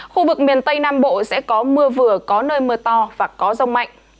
khu vực miền tây nam bộ sẽ có mưa vừa có nơi mưa to và có rông mạnh